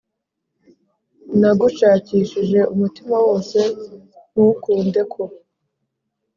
Nagushakishije umutima wose Ntukunde ko